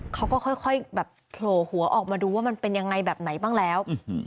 เขาก็ค่อยแบบโผล่หัวออกมาดูว่ามันเป็นยังไงแบบไหนบ้างแล้ว